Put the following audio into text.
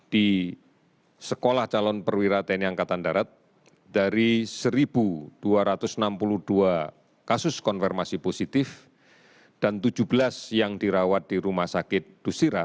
di sekolah calon perwira tni angkatan darat dari satu dua ratus enam puluh dua kasus konfirmasi positif dan tujuh belas yang dirawat di rumah sakit dusira